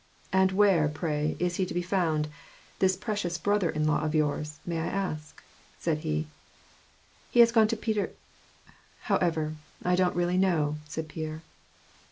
"And where, pray, is he now to be found — this precious brother in law of yours, may I ask ?" said he. " He has gone to Peter — However, I don't really know," said Pierre.